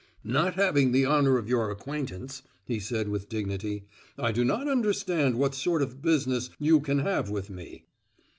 "Not having the honour of your acquaintance," he said with dignity, "I do not understand what sort of business you can have with me."